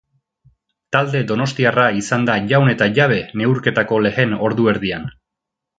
Talde donostiarra izan da jaun eta jabe neurketako lehen ordu erdian.